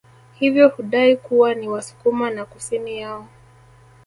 Hivyo hudai kuwa ni wasukuma na kusini yao